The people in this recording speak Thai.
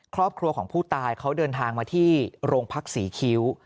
ครอบครัวของผู้ตายเขาเดินทางมาที่โรงพักศรีคิ้ว